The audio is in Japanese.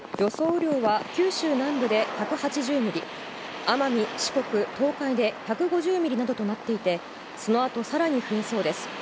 雨量は九州南部で１８０ミリ、奄美、四国、東海で１５０ミリなどとなっていて、そのあとさらに増えそうです。